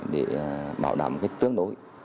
để bảo đảm kết tương đối